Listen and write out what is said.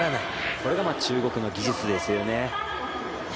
これがまあ、中国の技術ですよね。